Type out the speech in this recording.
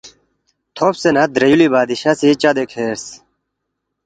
تھوبسے نہ درے یُولی بادشاہ سی چدے کھیرس